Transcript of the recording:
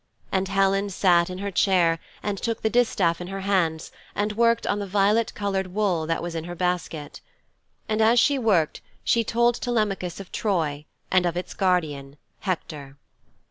And Helen sat in her chair and took the distaff in her hands and worked on the violet coloured wool that was in her basket. And as she worked she told Telemachus of Troy and of its guardian, Hector.